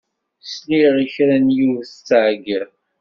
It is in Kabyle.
Sliɣ i kra n yiwet tettɛeyyiḍ.